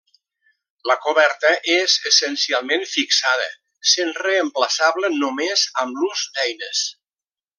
La coberta és essencialment fixada, sent reemplaçable només amb l'ús d'eines.